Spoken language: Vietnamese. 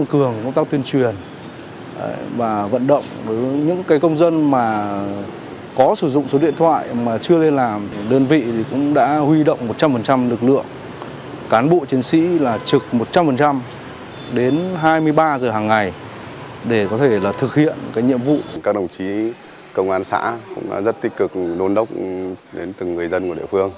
các đồng chí công an xã cũng đã rất tích cực đôn đốc đến từng người dân của địa phương